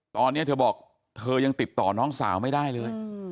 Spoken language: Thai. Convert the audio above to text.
ตอนนี้เธอบอกเธอยังติดต่อน้องสาวไม่ได้เลย